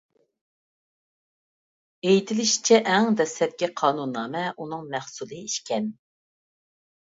ئېيتىلىشىچە، ئەڭ دەسلەپكى قانۇننامە ئۇنىڭ مەھسۇلى ئىكەن.